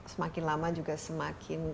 semakin lama juga semakin